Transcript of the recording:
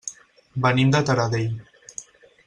Venim de Taradell.